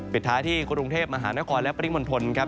ปิดท้ายที่กรุงเทพมหานครและปริมณฑลครับ